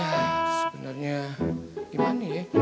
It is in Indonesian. ya sebenernya gimana ya